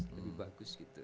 lebih bagus gitu